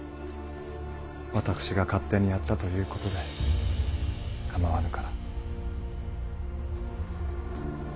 私が勝手にやったということで構わぬから。